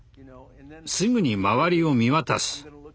すぐに周りを見渡す。